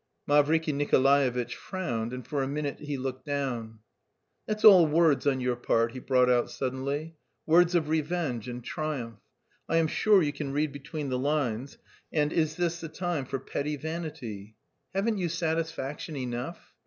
Mavriky Nikolaevitch frowned and for a minute he looked down. "That's all words on your part," he brought out suddenly, "words of revenge and triumph; I am sure you can read between the lines, and is this the time for petty vanity? Haven't you satisfaction enough?